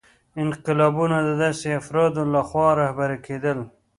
انقلابونه د داسې افرادو لخوا رهبري کېدل.